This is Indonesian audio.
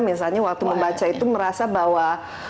misalnya waktu membaca itu merasa bahwa